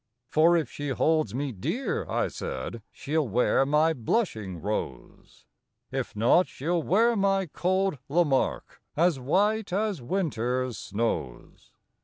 For if she holds me dear, I said, She'll wear my blushing rose; If not, she'll wear my cold Lamarque, As white as winter's snows.